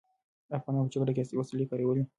ایا افغانانو په جګړه کې عصري وسلې کارولې؟